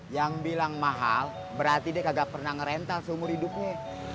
yang bilang mahal berarti dia kagak pernah ngerentak seumur hidupnya